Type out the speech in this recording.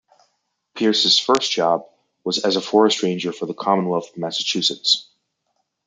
Pierce's first job was as a forest ranger for the Commonwealth of Massachusetts.